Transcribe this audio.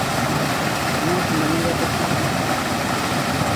No és la meva decisió.